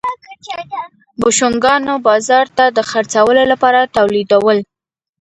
بوشونګانو بازار ته د خرڅلاو لپاره تولیدول.